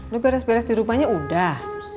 lu beres beres di rumahnya udah